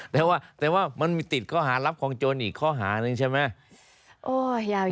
แต่ว่าแต่ว่ามันมีติดข้อหารับของโจรอีกข้อหานึงใช่ไหม